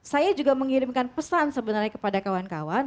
saya juga mengirimkan pesan sebenarnya kepada kawan kawan